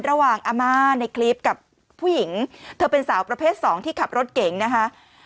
อาม่าในคลิปกับผู้หญิงเธอเป็นสาวประเภทสองที่ขับรถเก๋งนะคะ